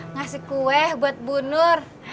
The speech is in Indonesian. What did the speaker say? ngasih kue buat bu nur